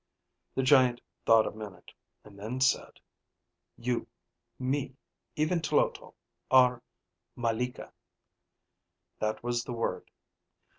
The giant thought a minute, and then said, "You, me, even Tloto, are malika." That was the word.